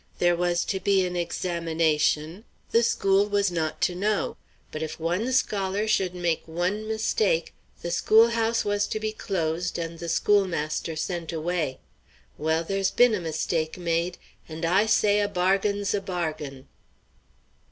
"There was to be an examination; the school was not to know; but if one scholar should make one mistake the schoolhouse was to be closed and the schoolmaster sent away. Well, there's been a mistake made, and I say a bargain's a bargain."